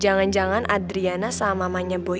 jangan jangan adriana sama mamanya boy